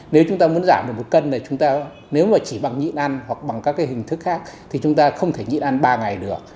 nếu chúng ta muốn giảm được một cân này nếu mà chỉ bằng nhịn ăn hoặc bằng các cái hình thức khác thì chúng ta không thể nhịn ăn ba ngày được